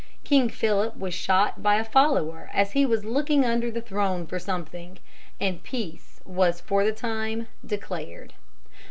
King Philip was shot by a follower as he was looking under the throne for something, and peace was for the time declared.